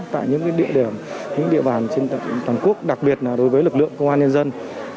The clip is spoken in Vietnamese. tại những địa điểm những địa bàn trên toàn quốc đặc biệt là đối với lực lượng công an nhân dân